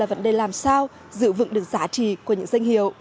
ở đây làm sao giữ vững được giá trị của những danh hiệu